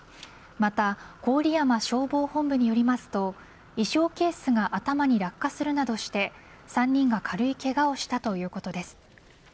また郡山消防本部によりますと衣装ケースが頭に落下するなどして３人が軽いけがをしたということです。